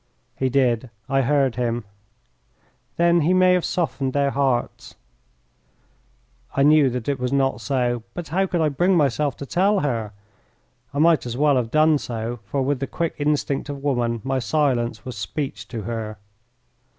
"He did. I heard him." "Then he may have softened their hearts." I knew that it was not so, but how could I bring myself to tell her? I might as well have done so, for with the quick instinct of woman my silence was speech to her.